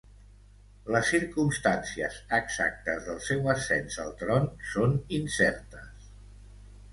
Les circumstàncies exactes del seu ascens al tron són incertes.